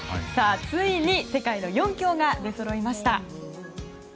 ついに、世界の４強が出そろいました。